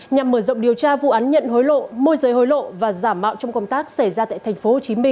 nhằm mở rộng điều tra vụ án nhận hối lộ môi giới hối lộ và giả mạo trong công tác xảy ra tại tp hcm